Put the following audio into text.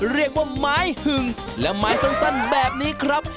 เรียกว่าไม้หึงและไม้สั้นแบบนี้ครับ